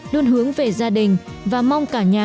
luôn hướng về gia đình và mong cả nhà